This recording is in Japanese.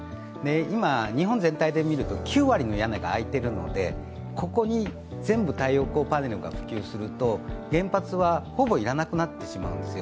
今、日本全体でみると９割の屋根が空いているのでここに全部太陽光パネルが普及すると、原発はほぼ要らなくなるんですよ。